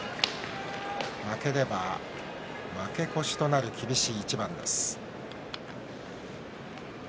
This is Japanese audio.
負ければ負け越しとなる厳しい一番です。